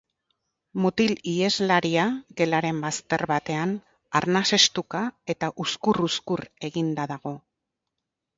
Mutil iheslaria, gelaren bazter batean, arnasestuka eta uzkur-uzkur eginda dago.